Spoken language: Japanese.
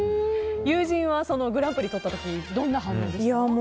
友人はグランプリをとった時どんな反応でしたか？